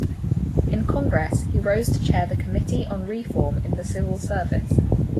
In Congress, he rose to chair the Committee on Reform in the Civil Service.